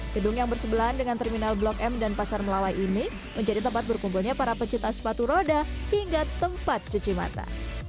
gedung yang bersebelahan dengan terminal blok m dan pasar melawai ini menjadi tempat berkumpulnya para pecinta sepatu roda hingga tempat cuci mata